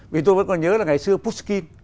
vì tôi vẫn còn nhớ là ngày xưa pushkin